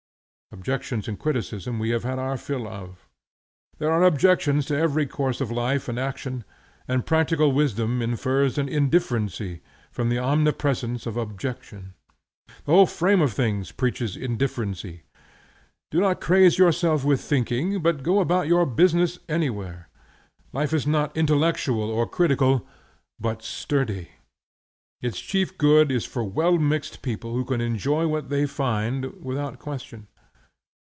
Objections and criticism we have had our fill of. There are objections to every course of life and action, and the practical wisdom infers an indifferency, from the omnipresence of objection. The whole frame of things preaches indifferency. Do not craze yourself with thinking, but go about your business anywhere. Life is not intellectual or critical, but sturdy. Its chief good is for well mixed people who can enjoy what they find, without question.